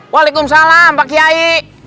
waalaikumsalam pak kiai